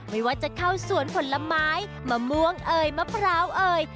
ไม่ว่าจะเข้าสวนผลไม้มะม่วงเอ่ยมะพร้าวเอ่ย